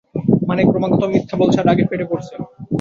মানে, ক্রমাগত মিথ্যা বলছে আর রাগে ফেটে পড়ছে।